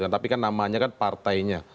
tapi kan namanya kan partainya